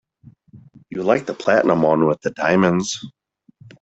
You liked the platinum one with the diamonds.